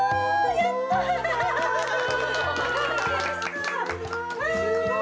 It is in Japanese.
やったー！